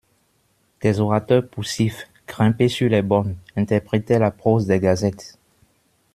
Des orateurs poussifs, grimpés sur les bornes, interprétaient la prose des gazettes.